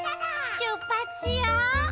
「しゅっぱつしよう！」